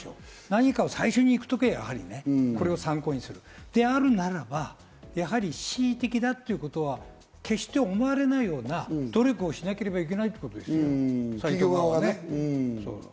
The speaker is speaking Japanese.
何か最初に行くときはこれを参考にするであるならば、恣意的だということは決して思われないような努力をしなければいけないということです。